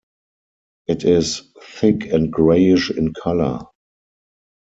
It is thick and grayish in color.